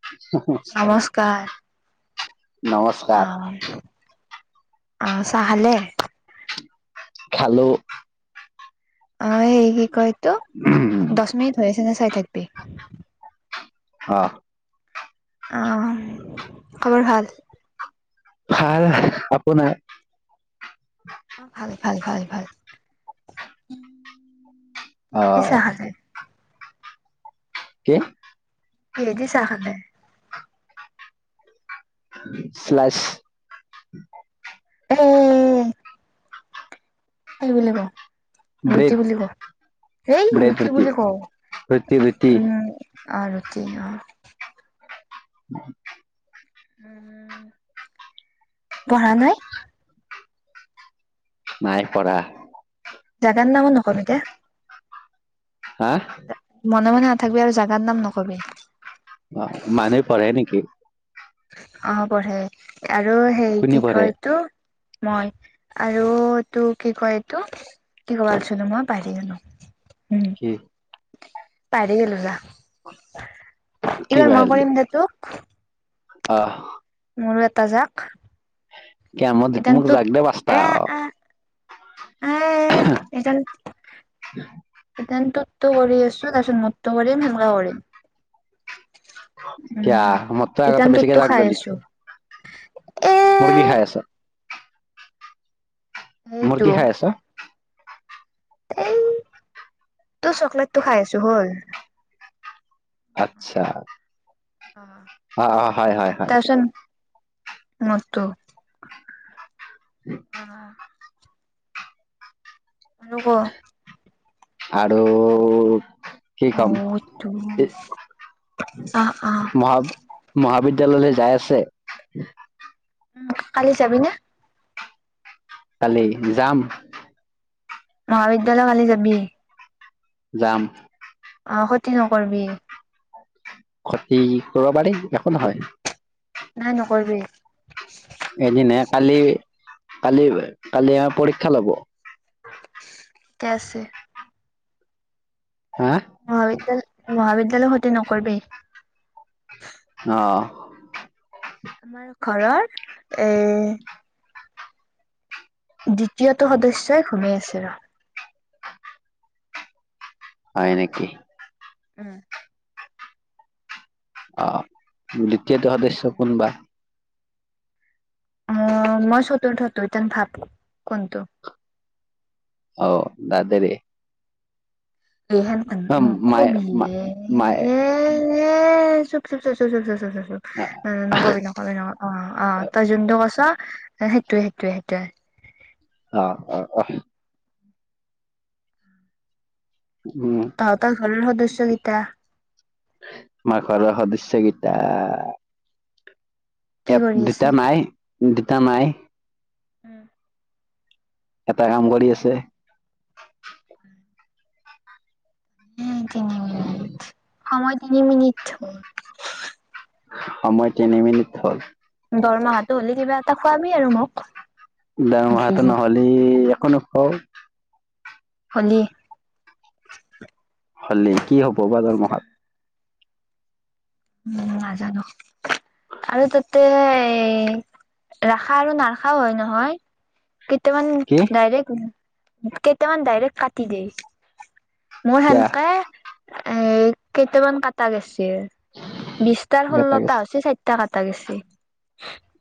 [unintelligible] নমস্কাৰ আহ আহ চাহ খালে। খালোঁ। অ এই হেই ক ত' দশ মিনিট হৈ আছেনে চাই থাক [unintelligible] হা অম খবৰ ভাল। ভাল আপোনাৰ অ ভাল ভাল ভাল কি অ দি চাহ খাইছে? কি? কিহেদি চাহ খালে? স্লাছ। উম আহিবলে ক ব্ৰেড ৰুটি বুলি ক, হেই ৰুটি বুলি ক, ৰুটি ৰুটি উম। অঁ ৰুটি অঁ। হয়। পঢ়া নাই। নাই পঢ়া। জাগা নামো নকবি দেই। হা মনে মনে নাথাকোৱে আৰু জাগাৰ নাম নকবি। অ মানুহে পঢ়ে নেকি? অ পঢ়ে। আৰু সেই কোনে কি পঢ়ে কয়টো? মই আৰু এইটো কি কয় এইটো, কি কব আহিছিলো মই পাহৰি গলো। কি? পাৰি গলা কি এইবাৰ মই বাহেলি কৰিম দে তোক। অ। মোৰো এটা যাক। হয়। কি আমত দি তু এদান মোক তোত যাক দে বচ্তা। এ আ এ এডাল এডাল টোত টো কৰি আছো তাৰপিছত মোতটো কৰিম সেনেুৱা কৰিম। কিয়া উম মোত কৈ আগাতে ইটান বেছিকে তোৰতো খাই যাবটো। আছো এ মুৰ্গী খায় আছ। সেইটো মুৰ্গী খাই আছ। এই তোৰ চকলেটটো খাই আছো হল। আত্ছা। অ অ হয় হয়। তাৰপিছত মোৰতো অ। অনো ক। আৰু কি অ কম তো হি আহ আহ মহা মহাবীৰ বিদ্যালয়লৈ যাই আছে? উম কালি যাবি নে? কালি যাম। মহাবিদ্যালয় কালি যাবি? যাম। অ খতি নকৰিবি। ক্ষতি কৰিব পাৰি একো নহয়। নাই নকৰবি। এদিন হে কালি, কালি কালি আমাৰ পৰীক্ষা ল'ব। -কে আছে। হা মহাবিদ্যালয়- মহাবিদ্যালয় খতি নকৰিবি। অ আমাৰ ঘৰৰ- এ দ্বিতীয়টো সদস্যই ঘুমেই আছে ৰ। হয় নেকি? উম। অ দি দ্বিতীয়টো সদস্য কোনবা? অ মই চতুৰ্থটো ইতেন ভাব কোনটো? অ দাদাৰে। এইহেন মায়ে নকবি মা- এ মায়ে হে। [unintelligible] [unintelligible] নকবি, নকবি, নকবি অ', অ', তই যোনতো কৈছ সেইটোয়ে, সেইটোয়ে, সেইটোয়ে। অ', অ', অ' উম তহঁতৰ ঘৰৰ সদস্য কেইটা? আমাৰ [unintelligible] কি এ, কৰি আছে দুটা নাই। দুটা নাই। উম। এটা কাম কৰি আছে। [unintelligible] তিনি মিনিট সময় তিনি মিনিট। সময় তিনি মিনিট হ'ল। দৰমহাটো হ'লে কিবা এটা খোৱাবি আৰু মোক। দৰমহাটো নহ'লি [unintelligible] হলি হ'লি কি হ'ব বা দৰমহাত উ নাজানো আৰু তাতে ৰাখা আৰু নাৰখাও হয় নহয়? কেইতামান কি ডাইৰেক্ট। কেইটামান ডাইৰেক্ট কাটি দেই। মোৰ কিয়া সানকে এ কেইটামান কটা গেছিল। বিশটাৰ কিবা এটা ষোল্লটা গৈছে হৈছে চাৰিটা কটা গেছি। [unintelligible]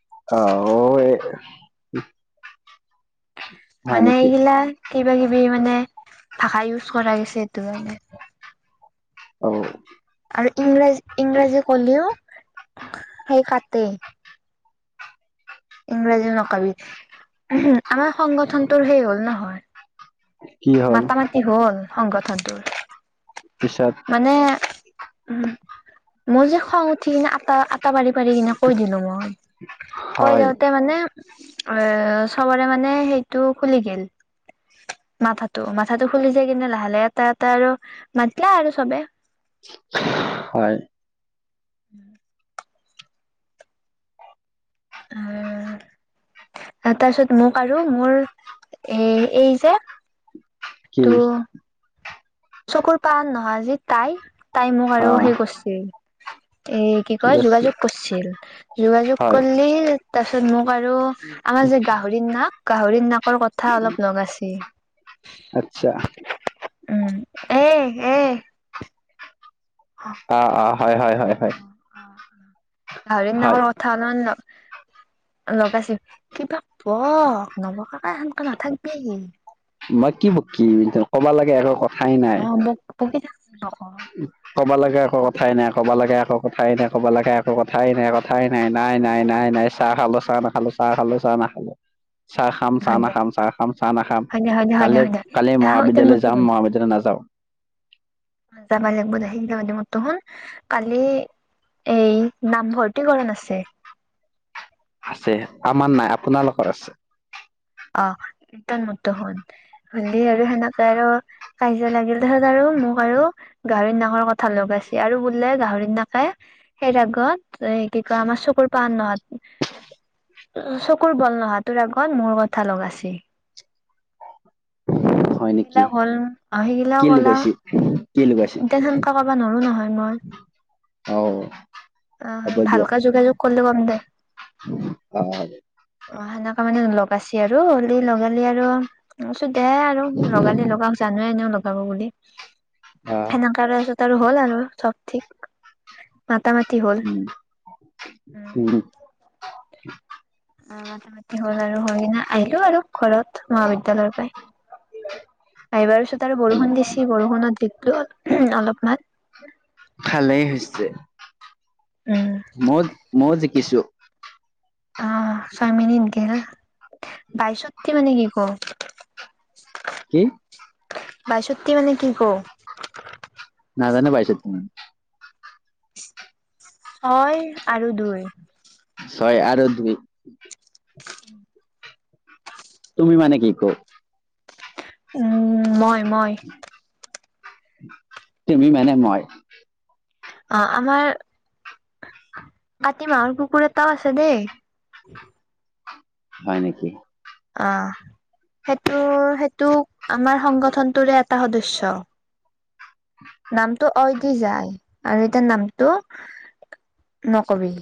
অ'। হয় মানে এই নেকি গিলা কিবা কিবি মানে ভাষা ইউজ কৰা গৈছে এইটো কাৰানে। অ'। ইংৰাজী ইংৰাজী কলেও সেই কাটে। ইংৰাজী নকবি। উ আমাৰ সংগঠনটোৰ সেই হ'ল নহয় কি হ'ল মাতা মাটি হ'ল সংগত তন্ত [unintelligible] পিছত উ, মই যে খং উঠি কিনে, আটা আটা পাৰি পাৰি কিনে কৈ দিলো মই, কৈ হয় যাওঁতে মানে এ চবৰে মানে সেইটো খুলি গ'ল। মাথাটো, মাথাটো খুলি যায় কিনে লাহে-লাহে এটা এটা আৰু মাতিলো আৰু চবে। হয়। [inaudible] উম। তাৰপিছত মোক আৰু মোৰ এ, এই যে কি। তো চকুৰ পান নহয় আজি তাই তাই মোক অ আৰু সেই কৰিছিল। [inaudible] এ কি ঠিক কয় আছে যোগাযোগ কৰিছিল, যোগাযোগ হয় কললি তাৰ [unintelligible] বাৰু আমাৰ যে গাহৰিৰ নাম গাহৰি ন কথা অলপ লগাইছি আচ্ছা উম'। এ-এ। অ'-অ'-হয়-হয়-হয়-হয়। [inaudible] গাহৰি নাঙৰ কথা অল [unintelligible] লগাইছো কিবা বক, নবকাকে সেনকে নাথাকবি মই কি বকিম ক'বা লাগে এৰ ক অ' বক বকি থাক। ক'ব লাগে একো কথাই নাই, ক'ব লাগে এক কথাই নাই, কব লাগা একো কথাই নাই, কথাই নাই- নাই-নাই-নাই-নাই চাহ খালো, চাহ নাখালো, চাহ খালো, চাহ নাখালো। চাহ খাম, চাহ হয় দে নাখাম, চাহ খাম, চাহ নাখাম হয় দে হয় দে হয় দে হয় দে কালি-কালি আহ এতিয়া মহাবিদ্যালয় মোৰতো যাম, শুন মহাবিদ্যালয় নাযাওঁ। যাবা লাগিব দে, সেইলা বাদ দি মোৰটো শুন, কালি এই নামভৰ্তিকৰণ আছে। আছে আমাৰ নাই, আপোনালোকৰ আছে। অ' তই মোৰটো শুন হ'লি আৰু সেনেকে আৰু কাজিয়া লাগিল, তাৰ পিছত আৰু মোক আৰু গাহৰি নাকৰ কথা লগাইছে আৰু বোলে গাহৰিৰ নাকে সেইৰ আগত এ কি কয় আমাৰ চকুৰ পাণ নহয় উ, চকুৰ বল নহা তোৰ আগত মোৰত কথা লগাইছি। হয় নেকি সেইগিলাক হ'ল, সেইগিলাক কি ক'লা লগাইছে কি লগাইছে সেনকে ক'ব নোৱাৰো নহয় মই, অ অহ হ'ব দিয়ক ভালকে যোগাযোগ কৰিলে কম দে। অ' সেনেকা মানে লগ বাচি আৰু হলি, লগালি আৰু দে আৰু লগালি লগাও, জানোৱে এনেও লগ ব বুলি আহ সেনেকা পাছত আৰু হ'ল আৰু চব ঠিক মাতা ম উম-উম। অ' মথা মতি হ'ল আৰু হৈ কিনা আহিলো আৰু ঘৰত মহাবিদ্যালয়ৰ পৰাই আহিবাৰ তাৰে বৰষুণ দিছি বৰষুণত দিকলো অলপমান যে উম মই-মই জি কিছু অ' ছয় মিনিট গেল। বাইশত [unintelligible] কি। বাাসতি মানে কি ক। [unintelligible] ছয় আৰু দুই। ছয় আৰু দুই। [unintelligible] তুমি মানে কি কয় উম মই মই তুমি মানে মই। অ', আমাৰ কাতি মাহৰ কুকুৰ এটাও আছে দেই। হয় নেকি? অ', সেইটো সেইটো আমাৰ সংগঠনতোৰে এটা সদশ্য। নামটো অ' দি যায় আৰু এতিয়া নামটো নকবি।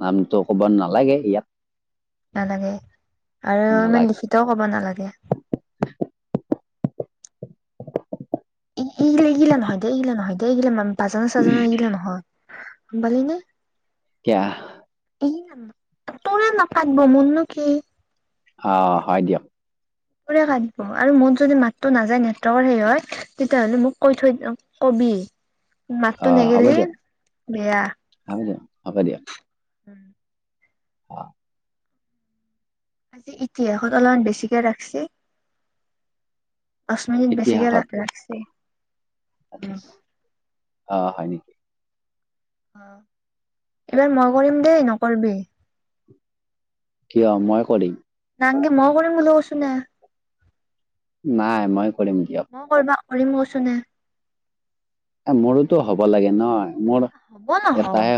নামটো ক'ব নালাগে ইয়াত। নালাগে। আৰু ইমান নালাগে লিখিতও ক'ব নালাগে। [inaudible] এইগিলা এইগিলা নহয় দে, এইগিল নহয় দে, এইগিলা মান বাজান চাজানা এইগিলা নহয়। গম পালি নে? [unintelligible] এই ন তোৰে [unintelligible] মোৰ নো নেকি আহ হয় দিয়ক। পোৰা কামোৰ পাও আৰু মোৰ যদি মাতটো নাযায় নেটৱৰ্কৰ সে হয় তেতিয়াাহ'লে মোক কৈ থৈ কবি। মাত আহ নে হ'ব গেলি দিয়ক বেয়া। হ'ব দিয়ক হ'ব দিয়ক। উম। অহ আজি ইতিহাসত অলপমান বেছিকে ৰাখচি। দহ মিনিট বেছিকে ল-লাগচি। অহ'। হয় নেকি? অ', এইবাৰ মই কৰিম দেই নকৰিবি। কিয় মই কৰিম। নাঙে মই কৰিম বুলি কৈছো না। নাই মই কৰিম দিয়ক। মই কৰিবা কৰিম কচুনে এ মোৰোতো হ'ব লাগে নহয়। হ'ব নহয়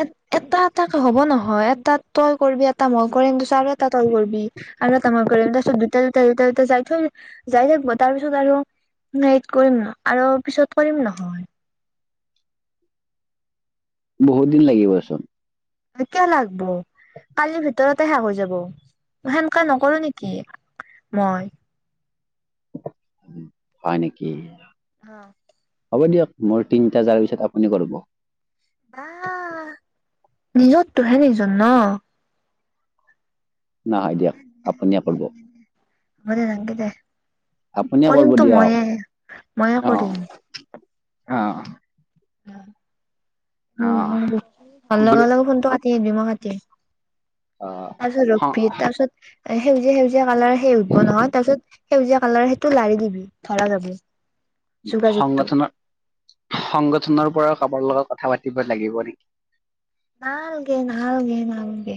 এ এটা-এটা হ'ব নহয় এটা তই কৰিবি এটা মই কৰিমছ আৰু এটা, তই কৰবি আৰু ত আমাৰ কৰে তাৰপিছত দু ত যাই থৈ যাই থাকিব তাৰ পিছত আৰু হে কৰিম আৰু পিছত কৰিম নহয়। বহুত দিন লাগিবচোন। কিয় লাগব কালিৰ ভিতৰতে শেষ হৈ যাব সেনেকাল নকৰো নেকি মই। উ হয় নেকি? অ', হ'ব দিয়ক মোৰ তিনিটা যাৰ পিছত আপুনি কৰিব। আহ নিজততটোহে নিজৰ ন। নাই দিয়ক আপুনিয়ে কৰিব। হব দে নাংগে দে। আপুনিয়ে কৰিম কৰিব তো দিয়ক ময়ে-ময়ে কৰিম অ', অহ, উম-উম ভাল গুৰু লগা-লগা ফোনটো কা তে বিমা খাতি। অ', তাৰপিছত সং ৰখবি তাৰপিছত সেউজীয়া-সেউজীয়া। কালাৰ সেই উঠব নহয় তাৰপিছত সেউজীয়া কালাৰ সেইটো লাৰি দিবি ধৰা যাব। যোগাযোগটো সংগঠনত, সংগঠনৰ পৰা কাৰবাৰ লগত কথা পাতিব লাগিব নেকি, নালগে নালগে নালগে।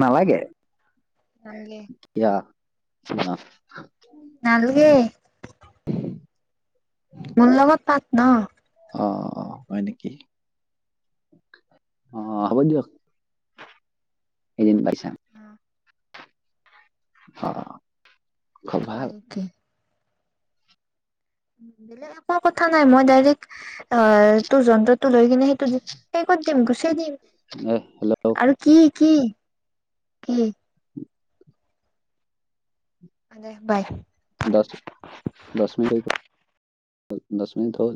নালাগে। নালগে কিয়? অ'। নালগে। মল লগত পাত ন'। অ' অ' হয় নেকি অ হ'ব দিয়ক এদিন পাইছ। অ'। খুব ভাল হয়কে [unintelligible] বেলেগ এ কথা নাই মই ডাইৰেক্ অ তোৰ যন্তত, টো লৈ কিনে সেইটো সেইত, তেম গুচছে দিম। আহ হেল্ল'। আৰু কি কি? দে বাই। দ দছ দছ মি দছ মিনিট হ'ল।